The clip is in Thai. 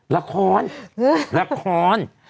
ละครละคร